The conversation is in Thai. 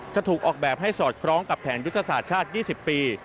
จะถูกออกแบบให้สอดคล้องกับแผนยุทธศาสตร์ชาติ๒๐ปี